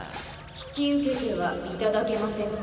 引き受けてはいただけませんか？